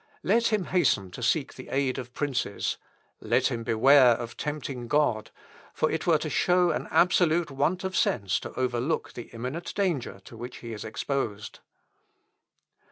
Let him hasten to seek the aid of princes. Let him beware of tempting God; for it were to show an absolute want of sense to overlook the imminent danger to which he is exposed."